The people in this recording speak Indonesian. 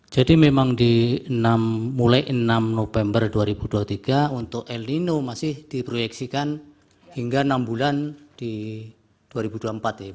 jadi memang mulai enam november dua ribu dua puluh tiga untuk el nino masih diproyeksikan hingga enam bulan di dua ribu dua puluh empat ya